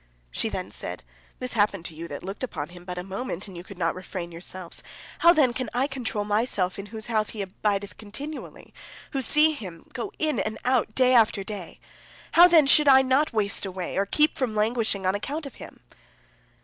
She then said: "This happened to you that looked upon him but a moment, and you could not refrain yourselves! How, then, can I control myself in whose house he abideth continually, who see him go in and out day after day? How, then, should I not waste away, or keep from languishing on account of him!"